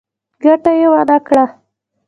ګټه يې ونکړه.